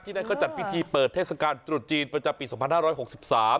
นั่นเขาจัดพิธีเปิดเทศกาลตรุษจีนประจำปีสองพันห้าร้อยหกสิบสาม